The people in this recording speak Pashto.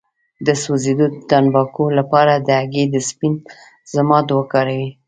د سوځیدو د تڼاکو لپاره د هګۍ د سپین ضماد وکاروئ